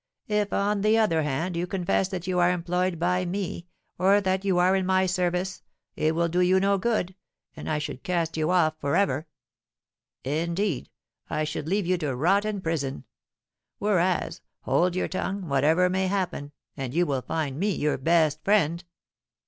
If, on the other hand, you confess that you are employed by me, or that you are in my service, it will do you no good, and I should cast you off for ever. Indeed, I should leave you to rot in prison; whereas, hold your tongue, whatever may happen, and you will find me your best friend.'